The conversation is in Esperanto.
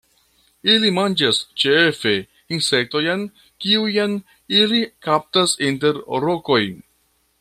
Ili manĝas ĉefe insektojn kiujn ili kaptas inter rokoj.